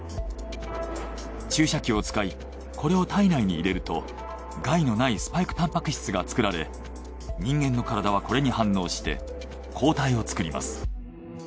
注射器を使いこれを体内に入れると害のないスパイクタンパク質が作られ人間の体はこれに反応して抗体を作ります。